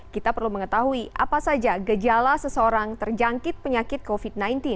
kita perlu mengetahui apa saja gejala seseorang terjangkit penyakit covid sembilan belas